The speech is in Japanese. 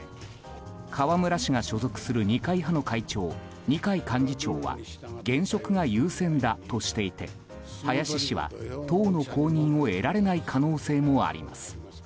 河村氏が所属する二階派の会長二階幹事長は現職が優先だとしていて林氏は党の公認を得られない可能性もあります。